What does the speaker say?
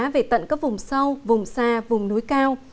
về tận các vùng sâu vùng xa vùng núi cao